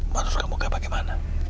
menurut kamu kayak bagaimana